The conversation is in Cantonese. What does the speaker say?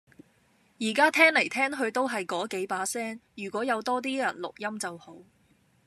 而家聽嚟聽去都係嗰幾把聲，如果有多啲人錄音就好